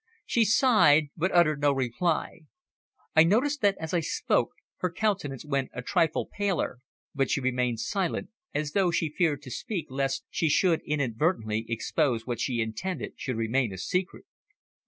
She sighed, but uttered no reply. I noticed that as I spoke her countenance went a trifle paler, but she remained silent, as though she feared to speak lest she should inadvertently expose what she intended should remain a secret.